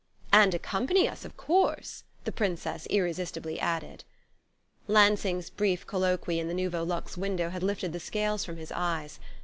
"And accompany us, of course," the Princess irresistibly added. Lansing's brief colloquy in the Nouveau Luxe window had lifted the scales from his eyes.